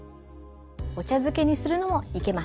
お茶漬けにするのもいけます。